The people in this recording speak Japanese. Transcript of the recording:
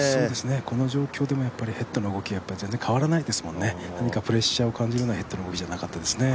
この状況でもヘッドの動きが変わらないですよね、何かプレッシャーを感じるようなヘッドの動きじゃなかったですね。